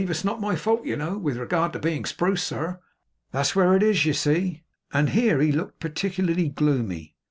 It's not my fault, you know. With regard to being spruce, sir, that's where it is, you see.' And here he looked particularly gloomy.